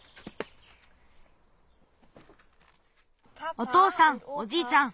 おとうさんおじいちゃん。